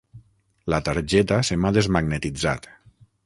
La targeta se m'ha desmagnetitzat.